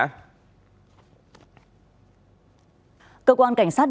cơ quan cảnh sát điều tra công an tp hcm